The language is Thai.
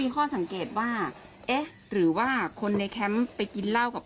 จนได้บอกแสว่าผู้ตายคือนายสวัสดิ์นะครับ